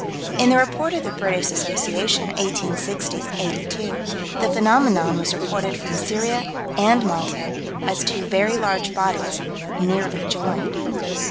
In the Report of the British Association, 1860 82, the phenomenon was reported from Syria and Malta, as two very large bodies "nearly joined."